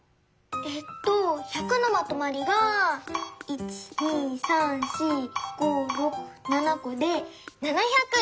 えっと１００のまとまりが１２３４５６７こで７００！